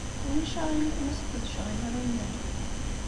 Ulac aɣilif ma sqedceɣ imru-nnem?